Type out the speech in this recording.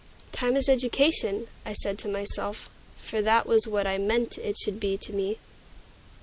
"Time is education," I said to myself; for that was what I meant it should be to me.